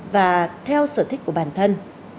và theo sở thích của bản thân